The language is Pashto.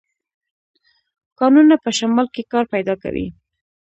کانونه په شمال کې کار پیدا کوي.